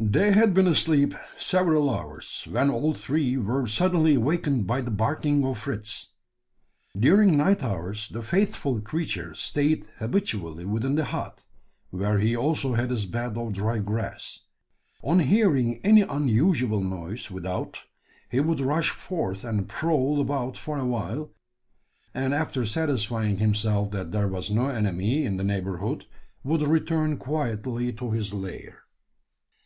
They had been asleep several hours, when all three were suddenly awakened by the barking of Fritz. During night hours the faithful creature stayed habitually within the hut where he also had his bed of dry grass. On hearing any unusual noise without, he would rush forth and prowl about for awhile; and, after satisfying himself that there was no enemy in the neighbourhood, would return quietly to his lair.